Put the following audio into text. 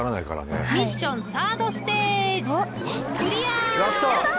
ミッションサードステージやった！